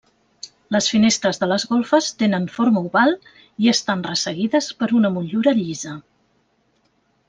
Les finestres de les golfes tenen forma oval i estan resseguides per una motllura llisa.